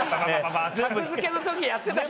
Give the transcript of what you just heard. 格付けの時やってた。